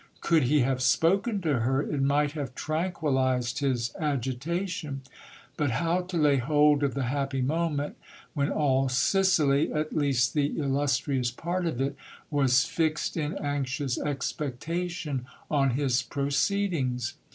Could he have spoken to her, it might have tranquillized his igitation : but how to lay hold of the happy moment, when all Sicily, at least .he illustrious part of it, was fixed in anxious expectation on his proceedings